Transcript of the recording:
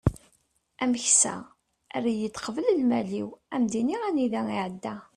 ameksa err-iyi-d qbel lmal-iw ad am-d-inin anida iεedda